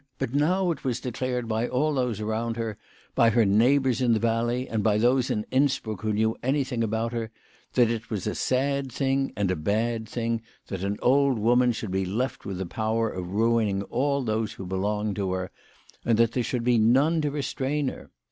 But now it was declared by all those around her, by her neighbours in the valley, and by those in Inns bruck who knew anything about her, that it was a sad thing and a bad thing that an old woman should be left with the power of ruining all those who belonged to her, and that there should be none to restrain her